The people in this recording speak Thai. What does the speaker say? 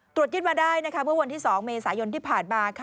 ตรวจยึดมาได้เมื่อวันที่๒เมษายนที่ผ่านมา